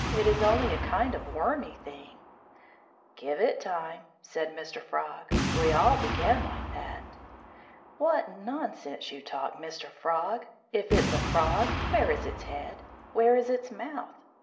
It is only a kind of wormy thing." "Give it time," said Mr. Frog. "We all began like that." "What nonsense you talk, Mr. Frog! If it's a frog, where is its head? Where is its mouth?